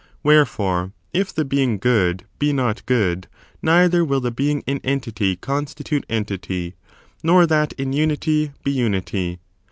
Wherefore, if the being good be not good, neither wifl the being in entity constitute entity, nor that in unity be unity.